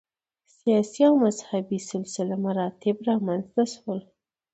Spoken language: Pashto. سیاسي او مذهبي سلسله مراتب رامنځته شول